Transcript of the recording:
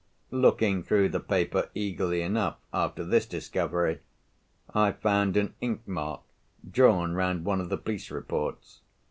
Looking through the paper eagerly enough, after this discovery, I found an ink mark drawn round one of the police reports.